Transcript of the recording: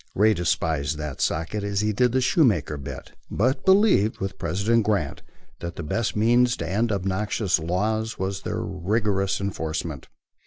Ray despised that socket as he did the Shoemaker bit, but believed, with President Grant, that the best means to end obnoxious laws was their rigorous enforcement.